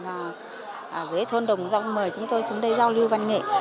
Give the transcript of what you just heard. ở dưới thôn đồng dòng mời chúng tôi xuống đây giao lưu văn nghệ